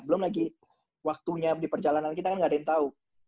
belum lagi waktunya di perjalanan kita kan nggak ada yang tahu